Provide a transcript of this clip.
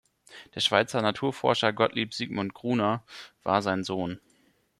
Der Schweizer Naturforscher Gottlieb Sigmund Gruner war sein Sohn.